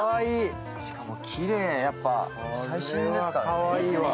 しかもきれい、最新ですからね。